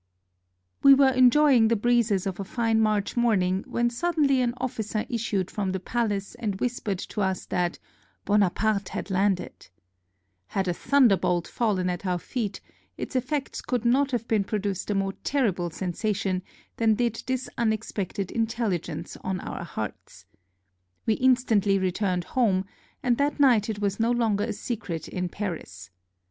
] We were enjoying the breezes of a fine March morning when suddenly an officer issued from the palace and whispered to us that Bonaparte had landed! Had a thun derbolt fallen at our feet its effects could not have pro duced a more terrible sensation than did this unexpected intelligence on our hearts. We instantly returned home, and that night it was no longer a secret in Paris.